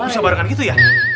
bisa barengan gitu ya